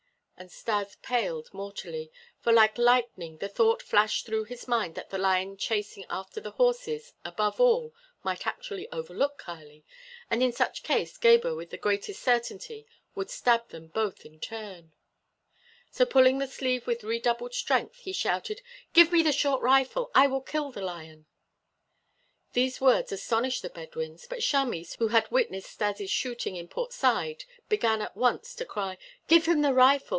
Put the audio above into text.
And Stas paled mortally, for like lightning the thought flashed through his mind that the lion chasing after the horses above all might actually overlook Kali, and in such case Gebhr with the greatest certainty would stab them both in turn. So pulling the sleeve with redoubled strength he shouted: "Give me the short rifle! I will kill the lion!" These words astonished the Bedouins, but Chamis, who had witnessed Stas' shooting in Port Said, began at once to cry: "Give him the rifle!